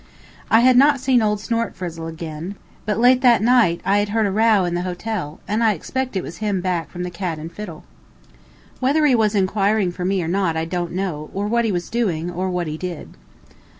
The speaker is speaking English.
I had not seen old Snortfrizzle again, but late that night I had heard a row in the hotel, and I expect it was him back from the Cat and Fiddle. Whether he was inquiring for me or not I don't know, or what he was doing, or what he did.